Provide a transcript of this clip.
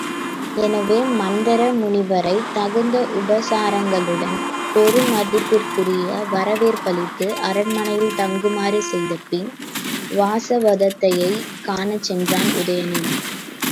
எனவே மந்தர முனிவரைத் தகுந்த உபசாரங்களுடன் பெருமதிப்பிற்குரிய வரவேற்பளித்து, அரண்மனையில் தங்குமாறு செய்தபின் வாசவதத்தையைக் காணச் சென்றான் உதயணன்.